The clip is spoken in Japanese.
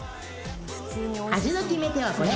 味の決め手はこれ！